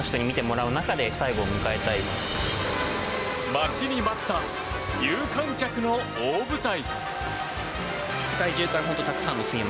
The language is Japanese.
待ちに待った有観客の大舞台。